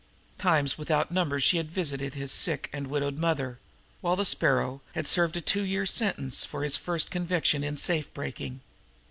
Times without number she had visited the sick and widowed mother while the Sparrow had served a two years' sentence for his first conviction in safe breaking.